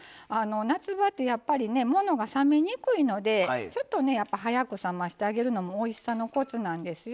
夏場ってやっぱりものが冷めにくいのでやっぱり早く冷ましてあげるのもおいしさのコツなんですよ。